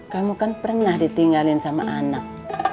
kamu kan pernah ditinggalin sama anak